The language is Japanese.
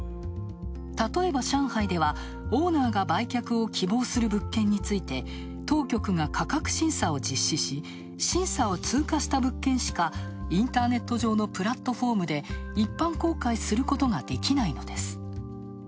例えば上海では、オーナーが売却を希望する物件について当局が価格審査を実施し、審査を通過した物件しかインターネット上のプラットフォームで一般公開することができないのです。